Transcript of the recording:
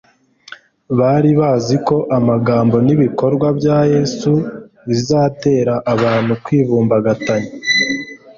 Bari bazi ko amagambo n'ibikorwa bya Yesu bizatera abantu kwivumbagatanya.